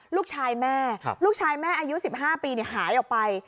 ลูกชายแม่ลูกชายแม่อายุ๑๕ปีหายออกไป